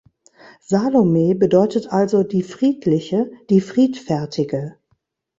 Salome bedeutet also „die Friedliche“, „die Friedfertige“.